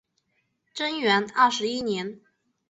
贞元二十一年